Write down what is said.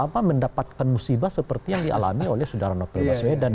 mereka bisa mendapatkan musibah seperti yang dialami oleh sudara nobel baswedan